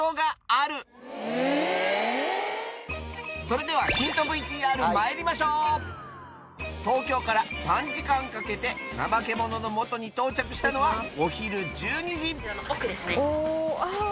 それではヒントＶＴＲまいりましょう東京から３時間かけてナマケモノのもとに到着したのはお昼１２時あぁ